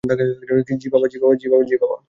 জ্বি, বাবা।